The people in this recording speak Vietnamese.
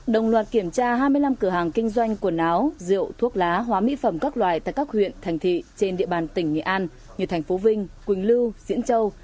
đồng loạt kiểm tra hai mươi năm cửa hàng kinh doanh quần áo rượu thuốc lá hóa mỹ phẩm các loại tại các huyện thành thị trên địa bàn tỉnh nghệ an như thành phố vinh quỳnh lưu diễn châu